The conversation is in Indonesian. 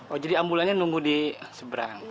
oh jadi ambulannya nunggu di seberang